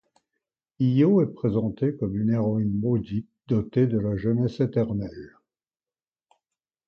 Io est présentée comme une héroïne maudite dotée de la jeunesse éternelle.